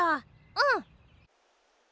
うん。